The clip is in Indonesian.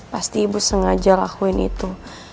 pasti ibu sengaja lakuin itu